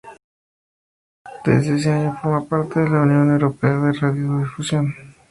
Desde ese año, forma parte de la Unión Europea de Radiodifusión.